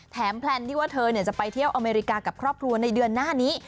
แพลนที่ว่าเธอจะไปเที่ยวอเมริกากับครอบครัวในเดือนหน้านี้